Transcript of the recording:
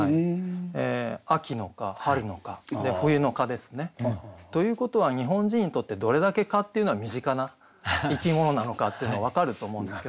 「秋の蚊」「春の蚊」で「冬の蚊」ですね。ということは日本人にとってどれだけ蚊っていうのは身近な生き物なのかっていうのが分かると思うんですけども。